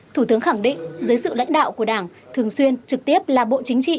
thủ tướng khẳng định dưới sự lãnh đạo của đảng thường xuyên trực tiếp là bộ chính trị